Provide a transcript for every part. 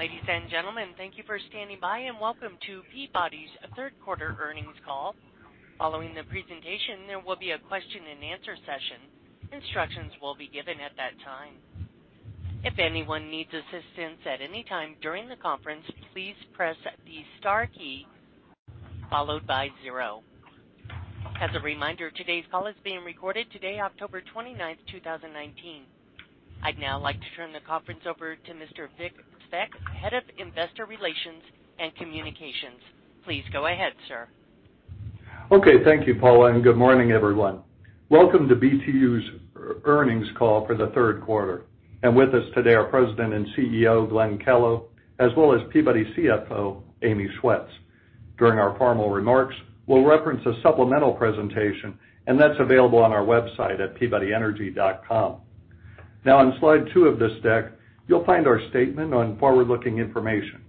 Ladies and gentlemen, thank you for standing by, and welcome to Peabody's third quarter earnings call. Following the presentation, there will be a question and answer session. Instructions will be given at that time. If anyone needs assistance at any time during the conference, please press the star key followed by zero. As a reminder, today's call is being recorded today, October 29th, 2019. I'd now like to turn the conference over to Mr. Vic Svec, Head of Investor Relations and Communications. Please go ahead, sir. Okay. Thank you, Paula. Good morning, everyone. Welcome to BTU's earnings call for the third quarter. With us today are President and CEO, Glenn Kellow, as well as Peabody CFO, Amy Schwetz. During our formal remarks, we'll reference a supplemental presentation, and that's available on our website at peabodyenergy.com. On slide two of this deck, you'll find our statement on forward-looking information.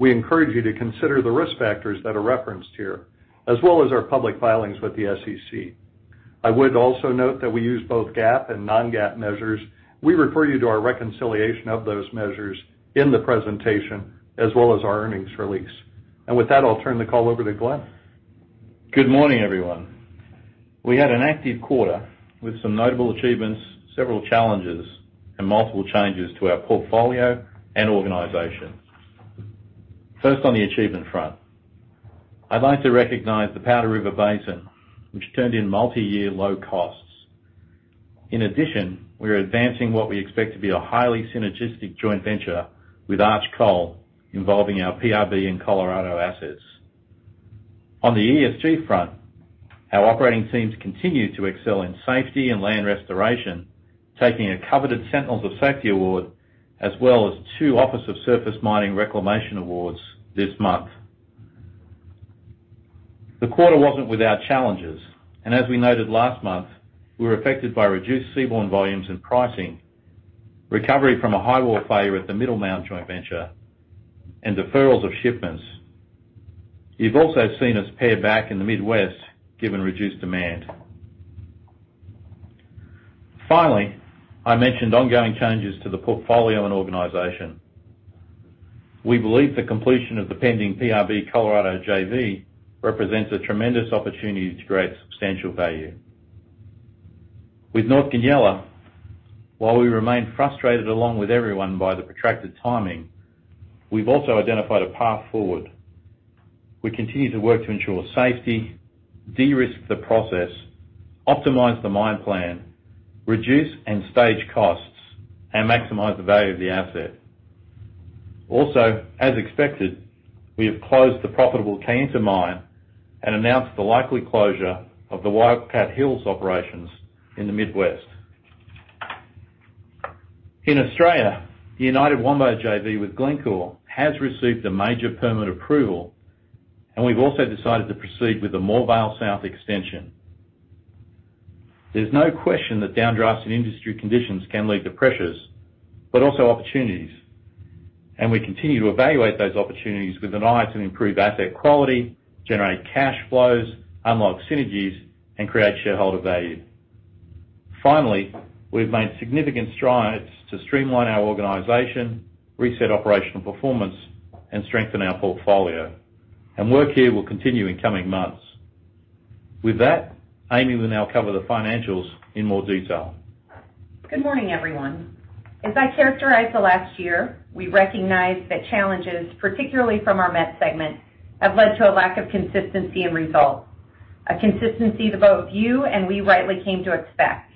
We encourage you to consider the risk factors that are referenced here, as well as our public filings with the SEC. I would also note that we use both GAAP and non-GAAP measures. We refer you to our reconciliation of those measures in the presentation as well as our earnings release. With that, I'll turn the call over to Glenn. Good morning, everyone. We had an active quarter with some notable achievements, several challenges, and multiple changes to our portfolio and organization. First, on the achievement front, I'd like to recognize the Powder River Basin, which turned in multi-year low costs. In addition, we are advancing what we expect to be a highly synergistic joint venture with Arch Coal involving our PRB and Colorado assets. On the ESG front, our operating teams continue to excel in safety and land restoration, taking a coveted Sentinels of Safety award, as well as two Office of Surface Mining Reclamation awards this month. The quarter wasn't without challenges. As we noted last month, we were affected by reduced seaborne volumes and pricing, recovery from a high wall failure at the Middlemount joint venture, and deferrals of shipments. You've also seen us pare back in the Midwest, given reduced demand. Finally, I mentioned ongoing changes to the portfolio and organization. We believe the completion of the pending PRB Colorado JV represents a tremendous opportunity to create substantial value. With North Goonyella, while we remain frustrated along with everyone by the protracted timing, we've also identified a path forward. We continue to work to ensure safety, de-risk the process, optimize the mine plan, reduce and stage costs, and maximize the value of the asset. Also, as expected, we have closed the profitable Kayenta mine and announced the likely closure of the Wildcat Hills operations in the Midwest. In Australia, the United Wambo JV with Glencore has received a major permit approval, and we've also decided to proceed with the Moorvale South Extension. There's no question that downturns in industry conditions can lead to pressures, but also opportunities. We continue to evaluate those opportunities with an eye to improve asset quality, generate cash flows, unlock synergies, and create shareholder value. Finally, we've made significant strides to streamline our organization, reset operational performance, and strengthen our portfolio, and work here will continue in coming months. With that, Amy will now cover the financials in more detail. Good morning, everyone. As I characterized the last year, we recognize that challenges, particularly from our met segment, have led to a lack of consistency in results, a consistency that both you and we rightly came to expect.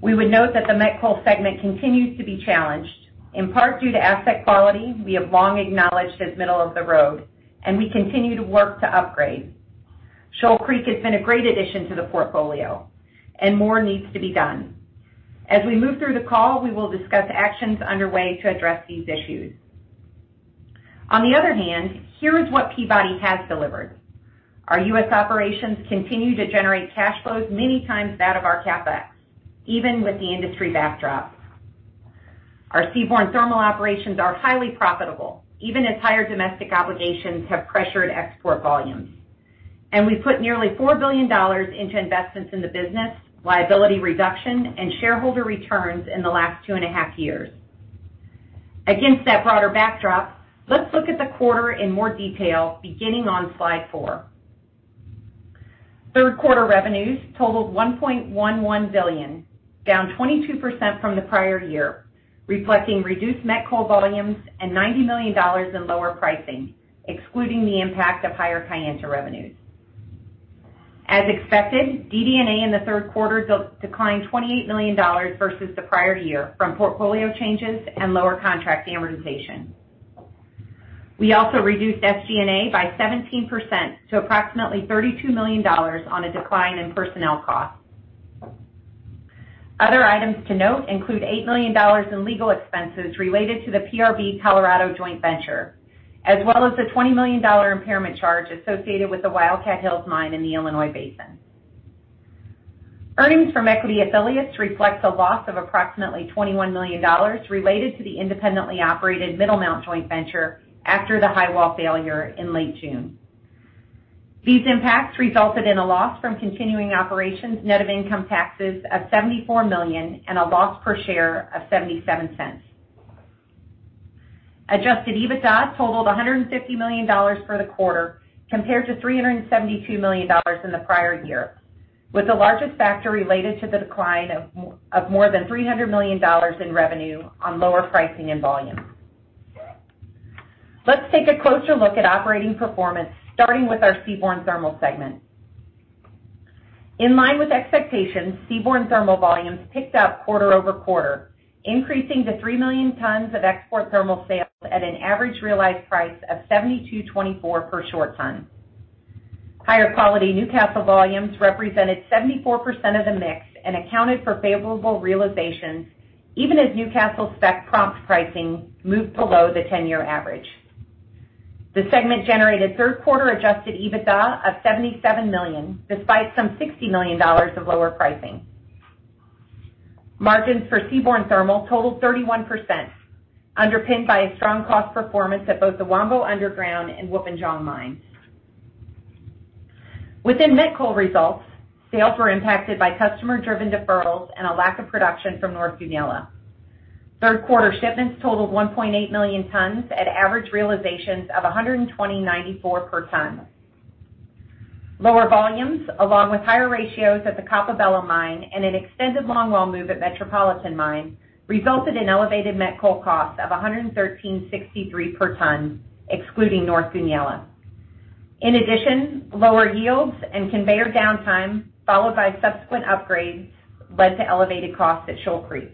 We would note that the met coal segment continues to be challenged, in part due to asset quality we have long acknowledged as middle of the road, and we continue to work to upgrade. Shoal Creek has been a great addition to the portfolio and more needs to be done. As we move through the call, we will discuss actions underway to address these issues. On the other hand, here is what Peabody has delivered. Our U.S. operations continue to generate cash flows many times that of our CapEx, even with the industry backdrop. Our seaborne thermal operations are highly profitable, even as higher domestic obligations have pressured export volumes. We've put nearly $4 billion into investments in the business, liability reduction, and shareholder returns in the last two and a half years. Against that broader backdrop, let's look at the quarter in more detail, beginning on slide four. Third quarter revenues totaled $1.11 billion, down 22% from the prior year, reflecting reduced met coal volumes and $90 million in lower pricing, excluding the impact of higher Kayenta revenues. As expected, DD&A in the third quarter declined $28 million versus the prior year from portfolio changes and lower contract amortization. We also reduced SG&A by 17% to approximately $32 million on a decline in personnel costs. Other items to note include $8 million in legal expenses related to the PRB Colorado joint venture, as well as the $20 million impairment charge associated with the Wildcat Hills Mine in the Illinois Basin. Earnings from equity affiliates reflect a loss of approximately $21 million related to the independently operated Middlemount joint venture after the high wall failure in late June. These impacts resulted in a loss from continuing operations net of income taxes of $74 million and a loss per share of $0.77. Adjusted EBITDA totaled $150 million for the quarter compared to $372 million in the prior year, with the largest factor related to the decline of more than $300 million in revenue on lower pricing and volume. Let's take a closer look at operating performance, starting with our Seaborne Thermal segment. In line with expectations, seaborne thermal volumes picked up quarter-over-quarter, increasing to 3 million tons of export thermal sales at an average realized price of $72.24 per short ton. Higher quality Newcastle volumes represented 74% of the mix and accounted for favorable realizations, even as Newcastle spec prompt pricing moved below the 10-year average. The segment generated third quarter adjusted EBITDA of $77 million, despite some $60 million of lower pricing. Margins for seaborne thermal totaled 31%, underpinned by a strong cost performance at both the Wambo Underground and Wilpinjong mines. Within met coal results, sales were impacted by customer-driven deferrals and a lack of production from North Goonyella. Third quarter shipments totaled 1.8 million tons at average realizations of $120.94 per ton. Lower volumes, along with higher ratios at the Coppabella mine and an extended longwall move at Metropolitan Mine, resulted in elevated met coal costs of $113.63 per ton, excluding North Goonyella. In addition, lower yields and conveyor downtime, followed by subsequent upgrades, led to elevated costs at Shoal Creek.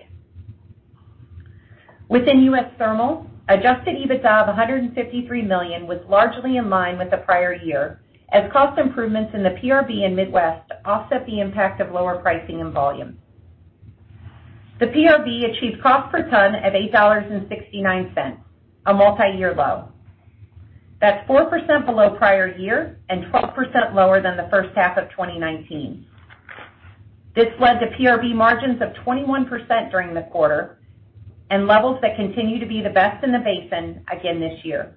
Within US Thermal, adjusted EBITDA of $153 million was largely in line with the prior year as cost improvements in the PRB and Midwest offset the impact of lower pricing and volume. The PRB achieved cost per ton of $8.69, a multi-year low. That's 4% below prior year and 12% lower than the first half of 2019. This led to PRB margins of 21% during the quarter and levels that continue to be the best in the basin again this year.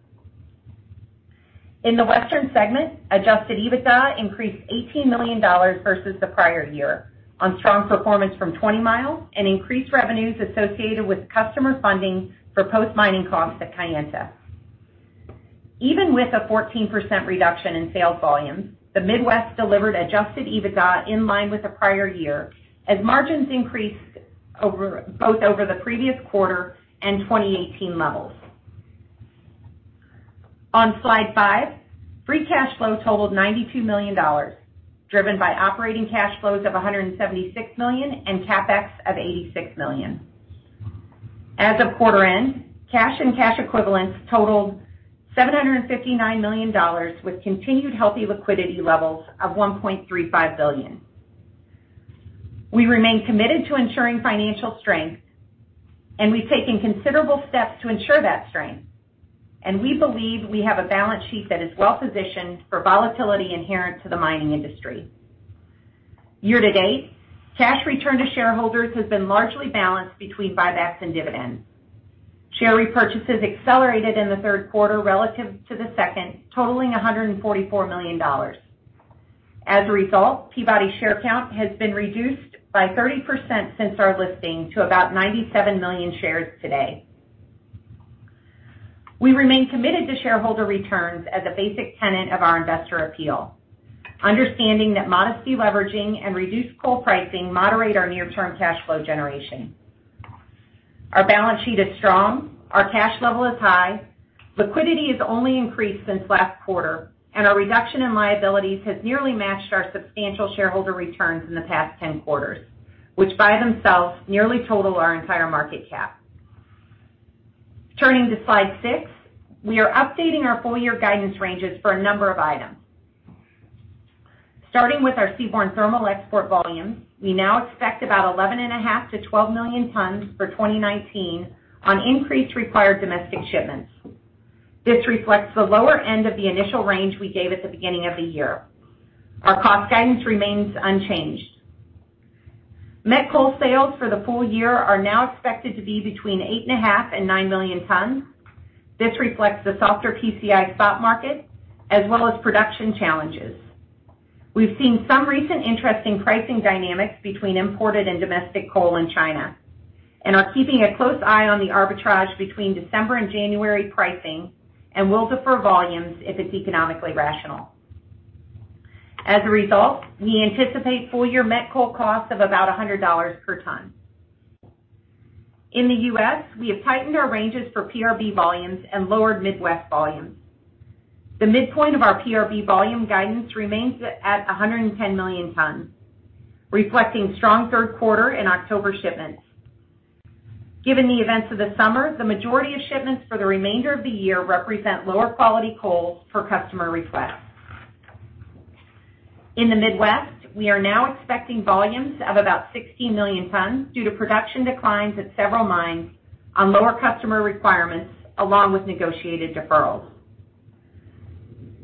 In the Western segment, adjusted EBITDA increased $18 million versus the prior year on strong performance from Twentymile and increased revenues associated with customer funding for post-mining costs at Kayenta. Even with a 14% reduction in sales volumes, the Midwest delivered adjusted EBITDA in line with the prior year as margins increased both over the previous quarter and 2018 levels. On slide five, free cash flow totaled $92 million, driven by operating cash flows of $176 million and CapEx of $86 million. As of quarter end, cash and cash equivalents totaled $759 million with continued healthy liquidity levels of $1.35 billion. We remain committed to ensuring financial strength, and we've taken considerable steps to ensure that strength, and we believe we have a balance sheet that is well-positioned for volatility inherent to the mining industry. Year-to-date, cash return to shareholders has been largely balanced between buybacks and dividends. Share repurchases accelerated in the third quarter relative to the second, totaling $144 million. As a result, Peabody share count has been reduced by 30% since our listing to about 97 million shares today. We remain committed to shareholder returns as a basic tenet of our investor appeal, understanding that modest leveraging and reduced coal pricing moderate our near-term cash flow generation. Our balance sheet is strong. Our cash level is high. Liquidity has only increased since last quarter, and our reduction in liabilities has nearly matched our substantial shareholder returns in the past 10 quarters, which by themselves nearly total our entire market cap. Turning to slide six, we are updating our full-year guidance ranges for a number of items. Starting with our seaborne thermal export volumes, we now expect about 11.5 million-12 million tons for 2019 on increased required domestic shipments. This reflects the lower end of the initial range we gave at the beginning of the year. Our cost guidance remains unchanged. Met coal sales for the full year are now expected to be between 8.5 million and 9 million tons. This reflects the softer PCI spot market as well as production challenges. We've seen some recent interesting pricing dynamics between imported and domestic coal in China and are keeping a close eye on the arbitrage between December and January pricing and will defer volumes if it's economically rational. As a result, we anticipate full-year met coal costs of about $100 per ton. In the U.S., we have tightened our ranges for PRB volumes and lowered Midwest volumes. The midpoint of our PRB volume guidance remains at 110 million tons, reflecting strong third quarter and October shipments. Given the events of the summer, the majority of shipments for the remainder of the year represent lower quality coal per customer request. In the Midwest, we are now expecting volumes of about 16 million tons due to production declines at several mines on lower customer requirements along with negotiated deferrals.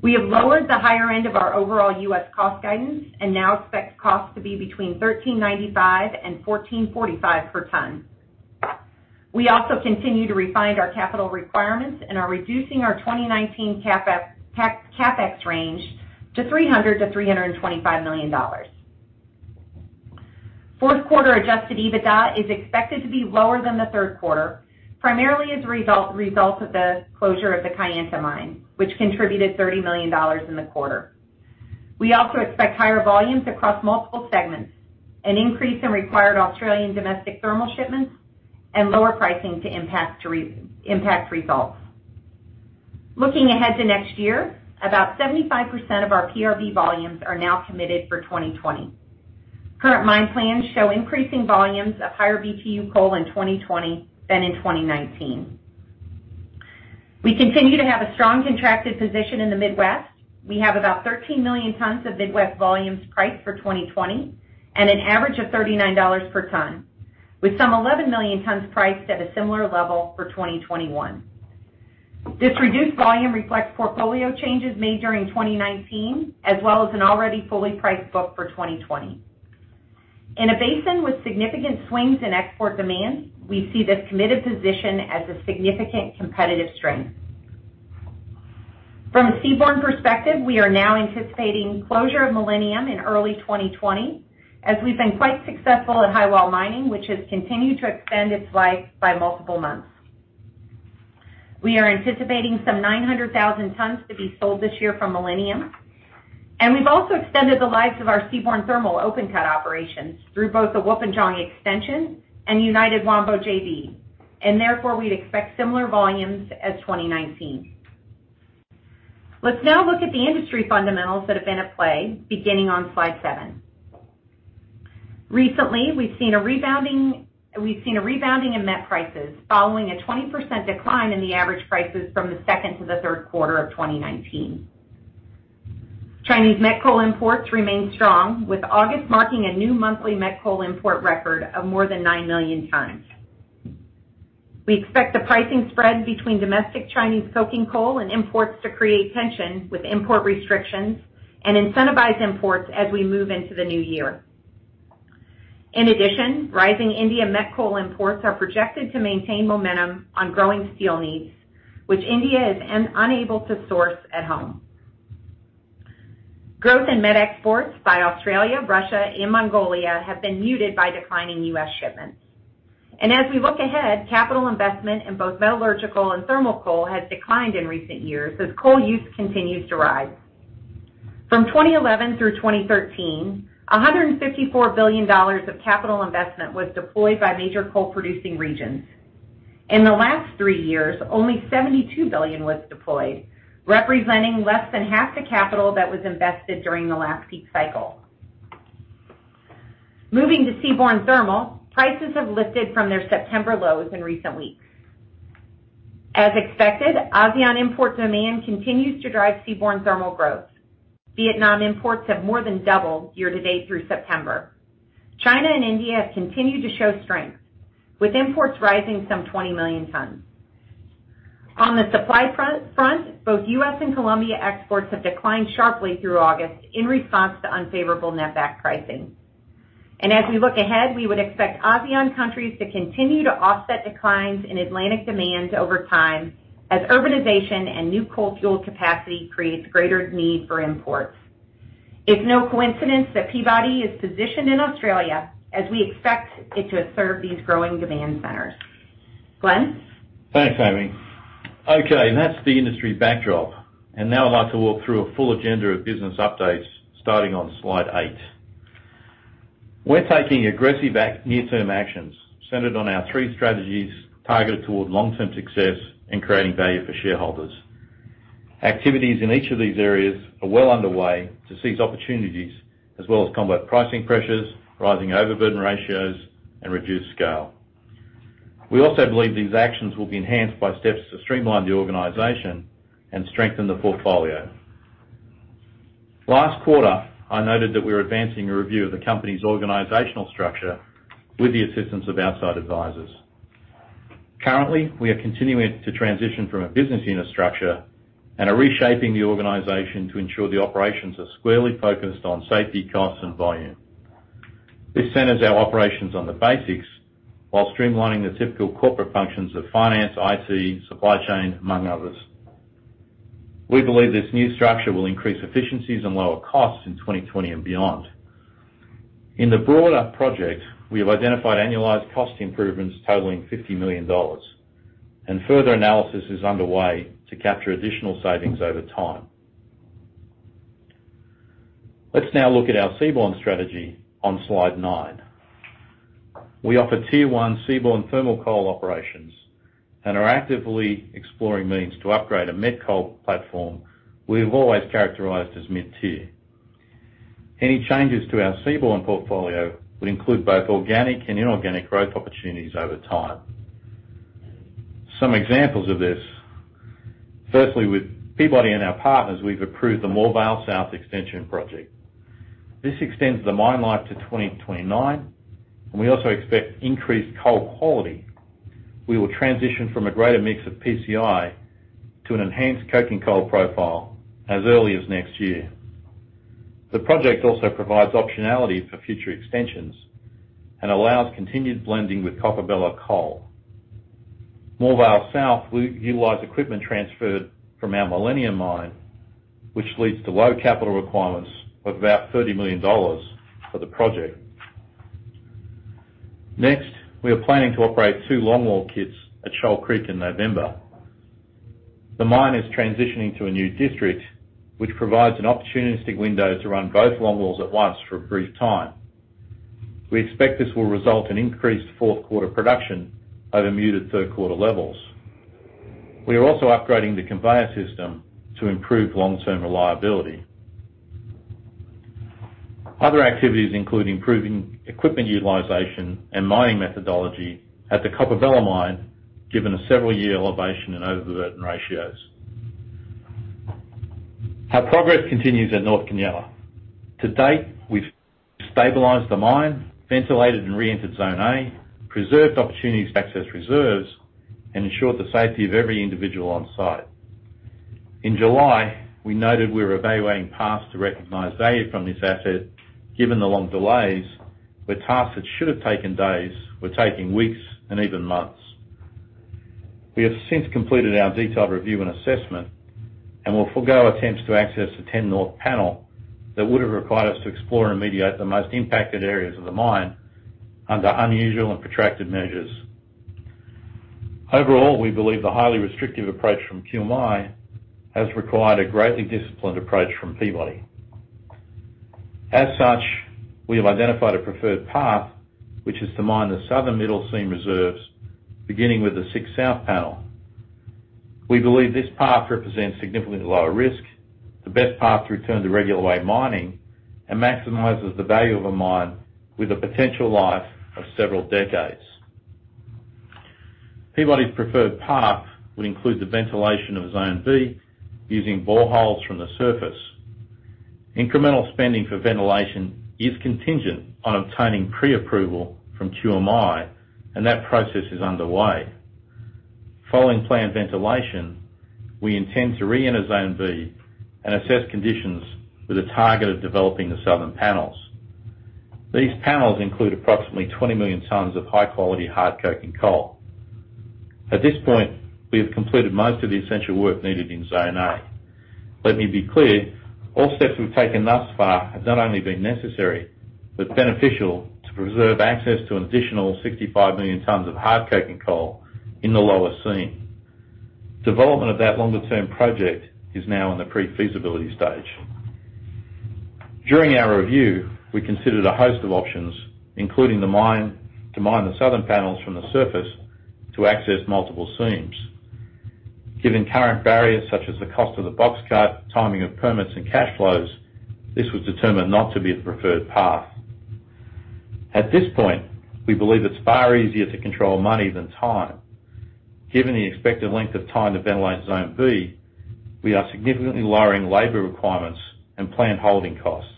We have lowered the higher end of our overall U.S. cost guidance and now expect costs to be between $13.95 and $14.45 per ton. We also continue to refine our capital requirements and are reducing our 2019 CapEx range to $300 million-$325 million. Fourth quarter adjusted EBITDA is expected to be lower than the third quarter, primarily as a result of the closure of the Kayenta mine, which contributed $30 million in the quarter. We also expect higher volumes across multiple segments, an increase in required Australian domestic thermal shipments, and lower pricing to impact results. Looking ahead to next year, about 75% of our PRB volumes are now committed for 2020. Current mine plans show increasing volumes of higher BTU coal in 2020 than in 2019. We continue to have a strong contracted position in the Midwest. We have about 13 million tons of Midwest volumes priced for 2020, and an average of $39 per ton, with some 11 million tons priced at a similar level for 2021. This reduced volume reflects portfolio changes made during 2019, as well as an already fully priced book for 2020. In a basin with significant swings in export demand, we see this committed position as a significant competitive strength. From a seaborne perspective, we are now anticipating closure of Millennium in early 2020, as we've been quite successful at high wall mining, which has continued to extend its life by multiple months. We are anticipating some 900,000 tons to be sold this year from Millennium. We've also extended the lives of our seaborne thermal open cut operations through both the Wilpinjong extension and United Wambo JV, and therefore, we'd expect similar volumes as 2019. Let's now look at the industry fundamentals that have been at play, beginning on slide seven. Recently, we've seen a rebounding in met prices following a 20% decline in the average prices from the second to the third quarter of 2019. Chinese met coal imports remain strong, with August marking a new monthly met coal import record of more than 9 million tons. We expect the pricing spread between domestic Chinese coking coal and imports to create tension with import restrictions and incentivize imports as we move into the new year. In addition, rising India met coal imports are projected to maintain momentum on growing steel needs, which India is unable to source at home. Growth in met exports by Australia, Russia, and Mongolia have been muted by declining U.S. shipments. As we look ahead, capital investment in both metallurgical and thermal coal has declined in recent years as coal use continues to rise. From 2011 through 2013, $154 billion of capital investment was deployed by major coal-producing regions. In the last three years, only $72 billion was deployed, representing less than half the capital that was invested during the last peak cycle. Moving to seaborne thermal, prices have lifted from their September lows in recent weeks. As expected, ASEAN import demand continues to drive seaborne thermal growth. Vietnam imports have more than doubled year-to-date through September. China and India have continued to show strength, with imports rising some 20 million tons. On the supply front, both U.S. and Colombia exports have declined sharply through August in response to unfavorable net back pricing. As we look ahead, we would expect ASEAN countries to continue to offset declines in Atlantic demand over time as urbanization and new coal fuel capacity creates greater need for imports. It's no coincidence that Peabody is positioned in Australia as we expect it to serve these growing demand centers. Glenn? Thanks, Amy. Okay, that's the industry backdrop. Now I'd like to walk through a full agenda of business updates, starting on slide eight. We're taking aggressive near-term actions centered on our three strategies targeted toward long-term success and creating value for shareholders. Activities in each of these areas are well underway to seize opportunities as well as combat pricing pressures, rising overburden ratios, and reduced scale. We also believe these actions will be enhanced by steps to streamline the organization and strengthen the portfolio. Last quarter, I noted that we are advancing a review of the company's organizational structure with the assistance of outside advisors. Currently, we are continuing to transition from a business unit structure and are reshaping the organization to ensure the operations are squarely focused on safety, cost, and volume. This centers our operations on the basics while streamlining the typical corporate functions of finance, IT, supply chain, among others. We believe this new structure will increase efficiencies and lower costs in 2020 and beyond. Further analysis is underway to capture additional savings over time. Let's now look at our seaborne strategy on slide nine. We offer Tier 1 seaborne thermal coal operations and are actively exploring means to upgrade a met coal platform we've always characterized as mid-tier. Any changes to our seaborne portfolio would include both organic and inorganic growth opportunities over time. Some examples of this, firstly, with Peabody and our partners, we've approved the Moorvale South Extension project. This extends the mine life to 2029, and we also expect increased coal quality. We will transition from a greater mix of PCI to an enhanced coking coal profile as early as next year. The project also provides optionality for future extensions and allows continued blending with Coppabella coal. Moorvale South will utilize equipment transferred from our Millennium Mine, which leads to low capital requirements of $30 million for the project. We are planning to operate two longwall kits at Shoal Creek in November. The mine is transitioning to a new district, which provides an opportunistic window to run both longwalls at once for a brief time. We expect this will result in increased fourth quarter production over muted third quarter levels. We are also upgrading the conveyor system to improve long-term reliability. Other activities include improving equipment utilization and mining methodology at the Coppabella Mine, given a several year elevation in overburden ratios. Our progress continues at North Goonyella. To date, we've stabilized the mine, ventilated and re-entered Zone A, preserved opportunities to access reserves, and ensured the safety of every individual on-site. In July, we noted we were evaluating paths to recognize value from this asset, given the long delays, where tasks that should have taken days were taking weeks and even months. We have since completed our detailed review and assessment and will forego attempts to access the 10 North panel that would have required us to explore and mediate the most impacted areas of the mine under unusual and protracted measures. Overall, we believe the highly restrictive approach from QMRS has required a greatly disciplined approach from Peabody. As such, we have identified a preferred path, which is to mine the southern middle seam reserves, beginning with the 6 South panel. We believe this path represents significantly lower risk, the best path to return to regular way mining, and maximizes the value of a mine with a potential life of several decades. Peabody's preferred path would include the ventilation of Zone B using boreholes from the surface. Incremental spending for ventilation is contingent on obtaining pre-approval from QMI. That process is underway. Following planned ventilation, we intend to re-enter Zone B and assess conditions with a target of developing the southern panels. These panels include approximately 20 million tons of high-quality hard coking coal. At this point, we have completed most of the essential work needed in Zone A. Let me be clear, all steps we've taken thus far have not only been necessary, but beneficial to preserve access to an additional 65 million tons of hard coking coal in the lower seam. Development of that longer term project is now in the pre-feasibility stage. During our review, we considered a host of options, including to mine the southern panels from the surface to access multiple seams. Given current barriers such as the cost of the box cut, timing of permits, and cash flows, this was determined not to be the preferred path. At this point, we believe it's far easier to control money than time. Given the expected length of time to ventilate Zone B, we are significantly lowering labor requirements and planned holding costs.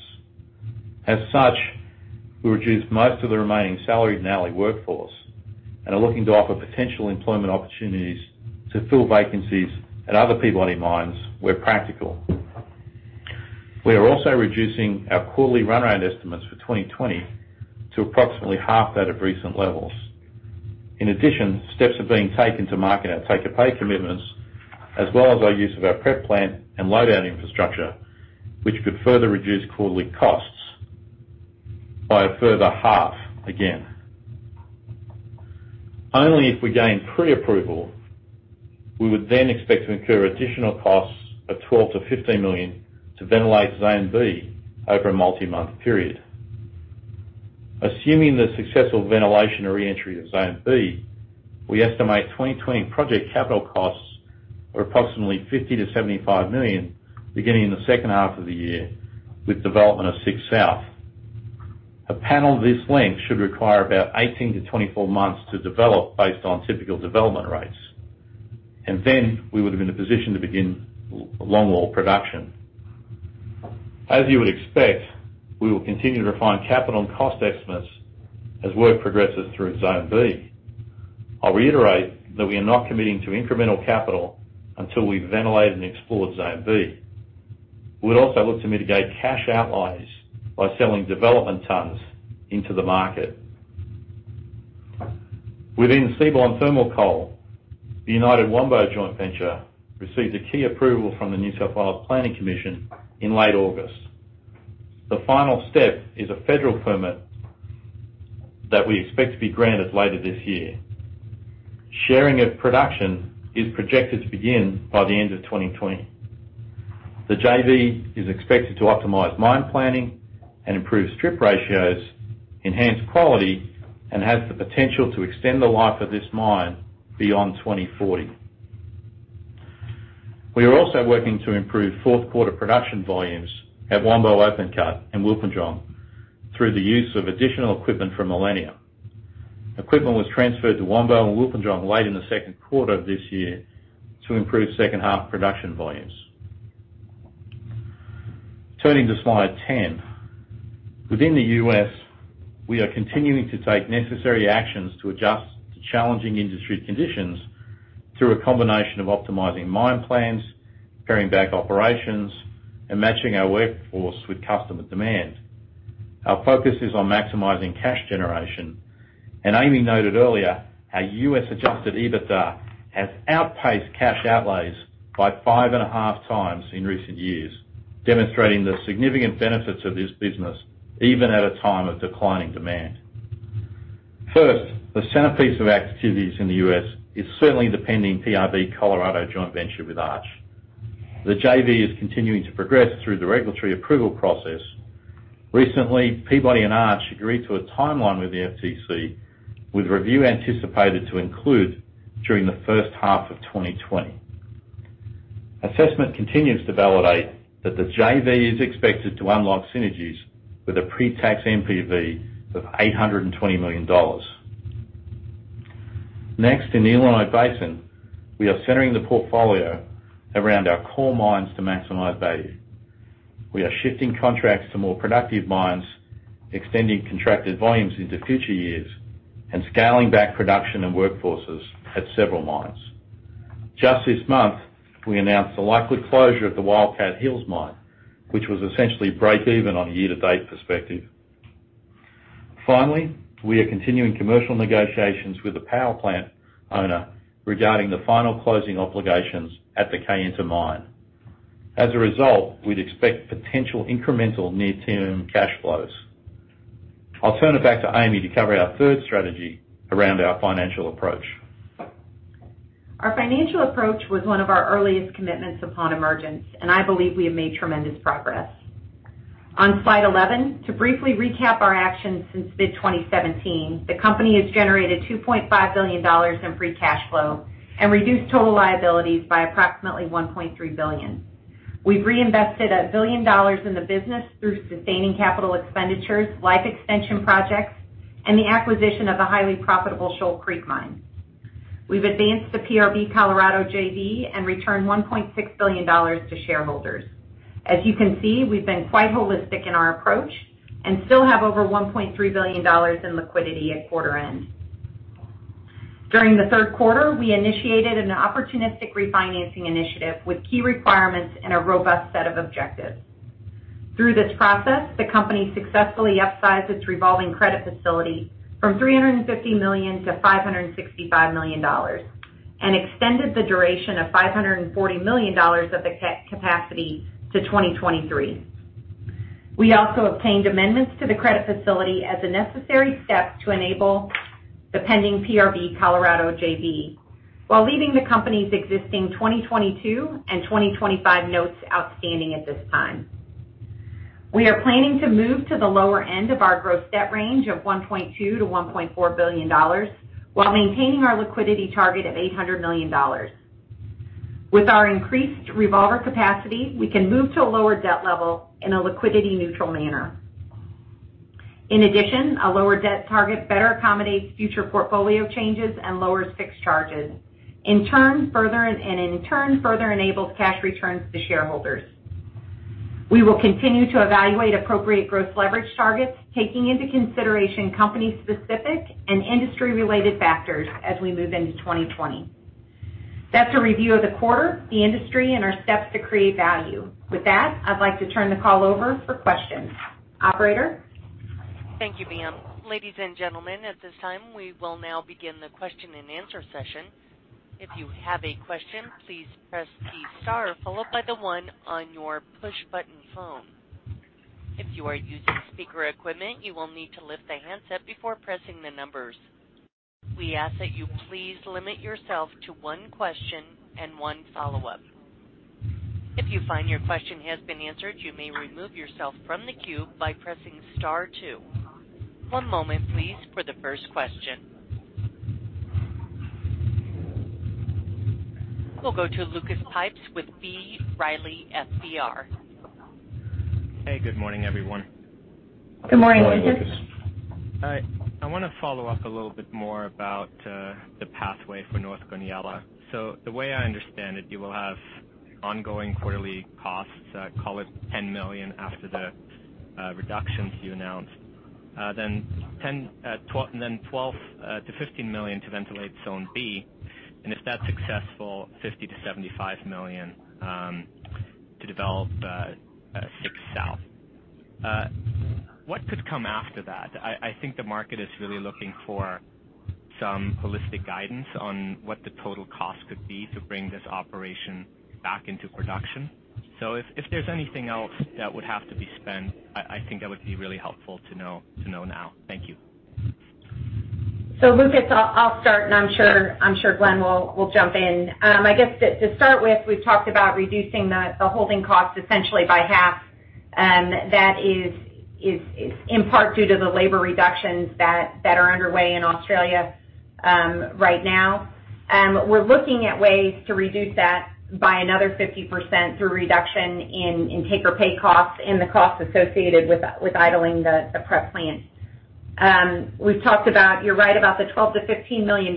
As such, we reduced most of the remaining salaried and hourly workforce and are looking to offer potential employment opportunities to fill vacancies at other Peabody mines where practical. We are also reducing our quarterly run rate estimates for 2020 to approximately half that of recent levels. In addition, steps are being taken to market our take-or-pay commitments as well as our use of our prep plant and load out infrastructure, which could further reduce quarterly costs by a further half again. Only if we gain pre-approval, we would then expect to incur additional costs of $12 million-$15 million to ventilate Zone B over a multi-month period. Assuming the successful ventilation or re-entry of Zone B, we estimate 2020 project capital costs are approximately $50 million-$75 million beginning in the second half of the year with development of 6 South. A panel this length should require about 18-24 months to develop based on typical development rates, and then we would have been in a position to begin longwall production. As you would expect, we will continue to refine capital and cost estimates as work progresses through Zone B. I'll reiterate that we are not committing to incremental capital until we've ventilated and explored Zone B. We'd also look to mitigate cash outlays by selling development tons into the market. Within seaborne thermal coal, the United Wambo joint venture received a key approval from the New South Wales Planning Commission in late August. The final step is a federal permit that we expect to be granted later this year. Sharing of production is projected to begin by the end of 2020. The JV is expected to optimize mine planning and improve strip ratios, enhance quality, and has the potential to extend the life of this mine beyond 2040. We are also working to improve fourth quarter production volumes at Wambo Open Cut and Wilpinjong through the use of additional equipment from Millennium. Equipment was transferred to Wambo and Wilpinjong late in the second quarter of this year to improve second half production volumes. Turning to slide 10. Within the U.S., we are continuing to take necessary actions to adjust to challenging industry conditions through a combination of optimizing mine plans, paring back operations, and matching our workforce with customer demand. Our focus is on maximizing cash generation, and Amy noted earlier how U.S. adjusted EBITDA has outpaced cash outlays by 5.5x In recent years, demonstrating the significant benefits of this business even at a time of declining demand. First, the centerpiece of our activities in the U.S. is certainly the pending PRB Colorado joint venture with Arch. The JV is continuing to progress through the regulatory approval process. Recently, Peabody and Arch agreed to a timeline with the FTC, with review anticipated to include during the first half of 2020. Assessment continues to validate that the JV is expected to unlock synergies with a pre-tax NPV of $820 million. Next, in the Illinois Basin, we are centering the portfolio around our core mines to maximize value. We are shifting contracts to more productive mines, extending contracted volumes into future years, and scaling back production and workforces at several mines. Just this month, we announced the likely closure of the Wildcat Hills mine, which was essentially break even on a year-to-date perspective. Finally, we are continuing commercial negotiations with the power plant owner regarding the final closing obligations at the Kayenta mine. As a result, we'd expect potential incremental near-term cash flows. I'll turn it back to Amy to cover our third strategy around our financial approach. Our financial approach was one of our earliest commitments upon emergence, and I believe we have made tremendous progress. On slide 11, to briefly recap our actions since mid-2017, the company has generated $2.5 billion in free cash flow and reduced total liabilities by approximately $1.3 billion. We've reinvested $1 billion in the business through sustaining capital expenditures, life extension projects, and the acquisition of the highly profitable Shoal Creek mine. We've advanced the PRB Colorado JV and returned $1.6 billion to shareholders. As you can see, we've been quite holistic in our approach and still have over $1.3 billion in liquidity at quarter end. During the third quarter, we initiated an opportunistic refinancing initiative with key requirements and a robust set of objectives. Through this process, the company successfully upsized its revolving credit facility from $350 million to $565 million and extended the duration of $540 million of the capacity to 2023. We also obtained amendments to the credit facility as a necessary step to enable the pending PRB Colorado JV while leaving the company's existing 2022 and 2025 notes outstanding at this time. We are planning to move to the lower end of our gross debt range of $1.2 billion-$1.4 billion while maintaining our liquidity target of $800 million. With our increased revolver capacity, we can move to a lower debt level in a liquidity neutral manner. In addition, a lower debt target better accommodates future portfolio changes and lowers fixed charges, and in turn, further enables cash returns to shareholders. We will continue to evaluate appropriate gross leverage targets, taking into consideration company-specific and industry-related factors as we move into 2020. That's a review of the quarter, the industry, and our steps to create value. With that, I'd like to turn the call over for questions. Operator? Thank you, ma'am. Ladies and gentlemen, at this time, we will now begin the question and answer session. If you have a question, please press the star followed by the one on your push button phone. If you are using speaker equipment, you will need to lift the handset before pressing the numbers. We ask that you please limit yourself to one question and one follow-up. If you find your question has been answered, you may remove yourself from the queue by pressing star two. One moment please for the first question. We'll go to Lucas Pipes with B. Riley FBR. Hey, good morning, everyone. Good morning, Lucas. Good morning, Lucas. Hi. I want to follow up a little bit more about the pathway for North Goonyella. The way I understand it, you will have ongoing quarterly costs, call it $10 million after the reductions you announced. $12 million-$15 million to ventilate Zone B, and if that's successful, $50 million-$75 million to develop Six South. What could come after that? I think the market is really looking for some holistic guidance on what the total cost could be to bring this operation back into production. If there's anything else that would have to be spent, I think that would be really helpful to know now. Thank you. Lucas, I'll start, and I'm sure Glenn will jump in. I guess to start with, we've talked about reducing the holding cost essentially by half. That is in part due to the labor reductions that are underway in Australia right now. We're looking at ways to reduce that by another 50% through reduction in take or pay costs and the costs associated with idling the prep plant. We've talked about, you're right about the $12 million-$15 million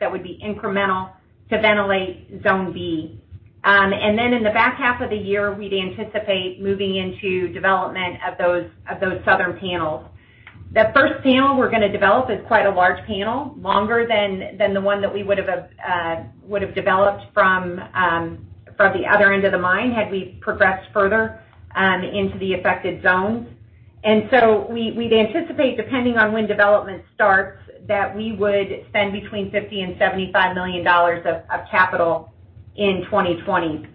that would be incremental to ventilate Zone B. In the back half of the year, we'd anticipate moving into development of those southern panels. The first panel we're going to develop is quite a large panel, longer than the one that we would've developed from the other end of the mine had we progressed further into the affected zones. We'd anticipate, depending on when development starts, that we would spend between $50 million and $75 million of capital in 2020.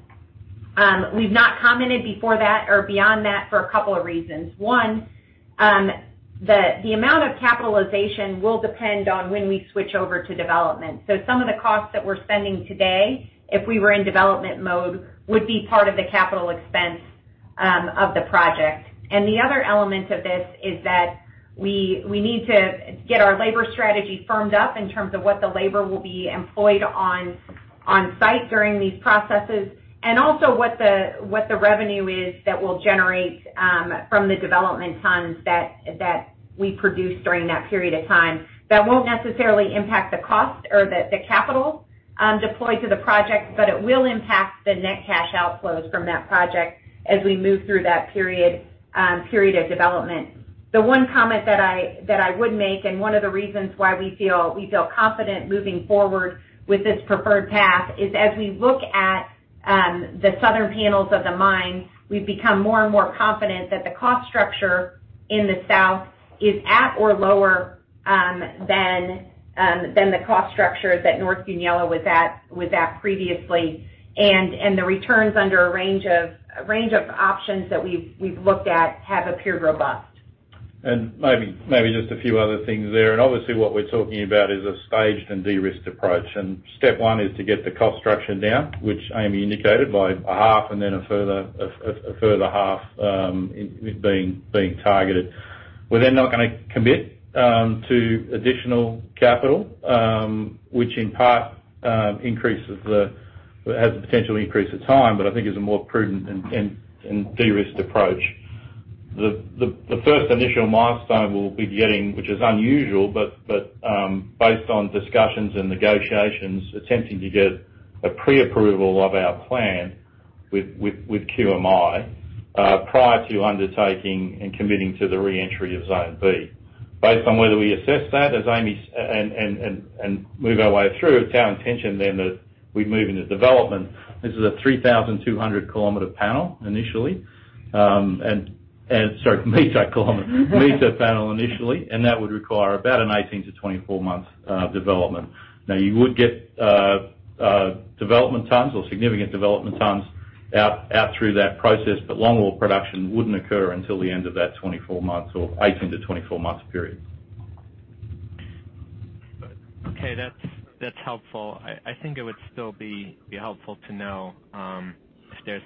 We've not commented before that or beyond that for a couple of reasons. One, the amount of capitalization will depend on when we switch over to development. Some of the costs that we're spending today, if we were in development mode, would be part of the capital expense of the project. The other element of this is that we need to get our labor strategy firmed up in terms of what the labor will be employed on site during these processes, and also what the revenue is that we'll generate from the development tons that we produce during that period of time. That won't necessarily impact the cost or the capital deployed to the project, but it will impact the net cash outflows from that project as we move through that period of development. One comment that I would make, and one of the reasons why we feel confident moving forward with this preferred path is as we look at the southern panels of the mine, we've become more and more confident that the cost structure in the south is at or lower than the cost structure that North Goonyella was at previously. The returns under a range of options that we've looked at have appeared robust. Maybe just a few other things there. Obviously what we're talking about is a staged and de-risked approach. Step one is to get the cost structure down, which Amy indicated by a half and then a further half being targeted. We're not going to commit to additional capital, which in part has the potential to increase the time, but I think is a more prudent and de-risked approach. The first initial milestone we'll be getting, which is unusual, but based on discussions and negotiations, attempting to get a pre-approval of our plan with QMRS, prior to undertaking and committing to the re-entry of Zone B. Based on whether we assess that, and move our way through, it's our intention that we move into development. This is a 3,200 km panel initially. Sorry, meter panel initially. That would require about an 18-24 month development. Now, you would get development tons or significant development tons out through that process, but long wall production wouldn't occur until the end of that 24 months or 18-24 months period. Okay. That's helpful. I think it would still be helpful to know if there's